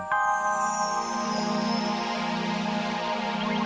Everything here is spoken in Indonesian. kepamu puung pamu ya misby